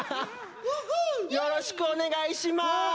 よろしくお願いします！